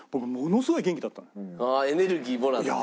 ああエネルギーもらって。